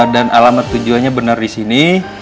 dan alamat tujuannya bener disini